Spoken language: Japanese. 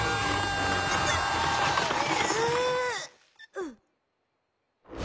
うん！